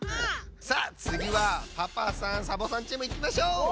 さあつぎはパパさんサボさんチームいきましょう！